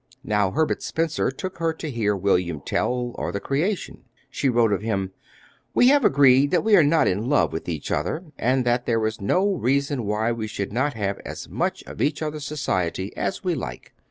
Now Herbert Spencer took her to hear William Tell or the Creation. She wrote of him: "We have agreed that we are not in love with each other, and that there is no reason why we should not have as much of each other's society as we like.